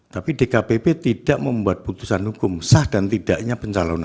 tapi dkpp tidak membuat putusan hukum sah dan tidaknya pencalonan